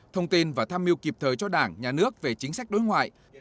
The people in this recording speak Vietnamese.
thông tin và tham mưu kịp thời cho đảng nhà nước về chính sách đối ngoại